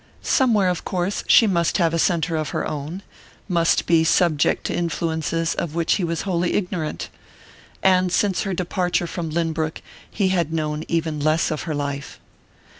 Somewhere, of course, she must have a centre of her own, must be subject to influences of which he was wholly ignorant. And since her departure from Lynbrook he had known even less of her life.